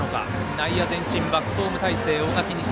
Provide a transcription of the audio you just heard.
内野前進バックホーム態勢。